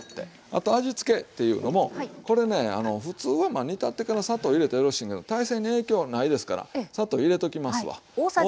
あと味付けというのもこれねふつうは煮立ってから砂糖入れたらよろしいけど大勢に影響はないですから砂糖入れときますわ。